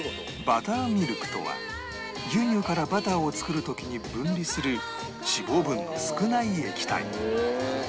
バターミルクとは牛乳からバターを作る時に分離する脂肪分の少ない液体